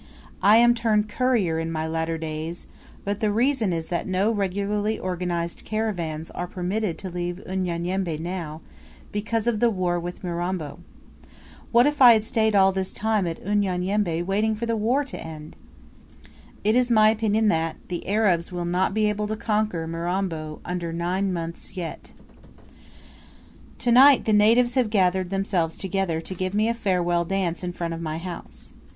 I am turned courier in my latter days; but the reason is that no regularly organized caravans are permitted to leave Unyanyembe now, because of the war with Mirambo. What if I had stayed all this time at Unyanyembe waiting for the war to end! It is my opinion that, the Arabs will not be able to conquer Mirambo under nine months yet. To night the natives have gathered themselves together to give me a farewell dance in front of my house.